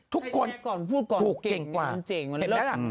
ทุกคนถูกเก่งกว่าเห็นไหมล่ะ